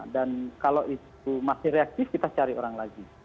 dan kalau itu masih reaktif kita cari orang lagi